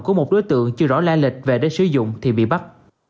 của một đối tượng chưa rõ la lịch về để sử dụng thì bị bắt